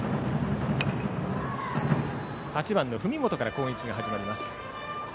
８番、文元から攻撃が始まります。